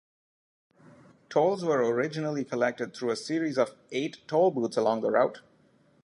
Tolls were originally collected through a series of eight toll booths along the route.